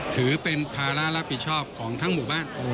ถือเป็นภาระรับผิดชอบของทั้งหมู่บ้าน